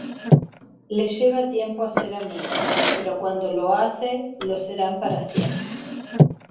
Le lleva tiempo hacer amigos, pero cuando lo hace lo serán para siempre.